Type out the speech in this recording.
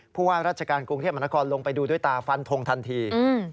เพราะว่าราชการกรุงเทพมนาคอลลงไปดูโดยตาฟันทงทันที